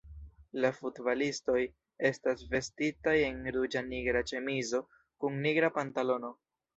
La futbalistoj estas vestitaj en ruĝa-nigra ĉemizo kun nigra pantalono.